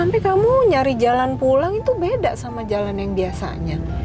sampai kamu nyari jalan pulang itu beda sama jalan yang biasanya